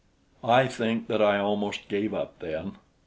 I think that I almost gave up then.